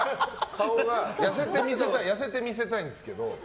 顔を痩せて見せたいんですけど。